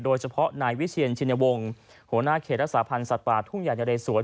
โดยเฉพาะนายวิเชียนชินวงศ์หัวหน้าเขตรักษาพันธ์สัตว์ป่าทุ่งใหญ่นะเรสวน